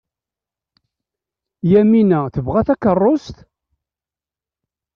Yamina tebɣa takeṛṛust?